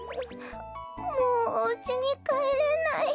もうおうちにかえれない。